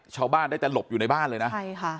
ชาวบ้านได้แต่หลบอยู่ในบ้านเลยนะใช่ค่ะ